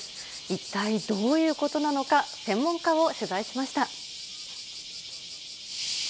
一体どういうことなのか、専門家を取材しました。